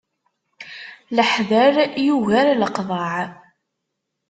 Leḥder yugar leqḍaɛ.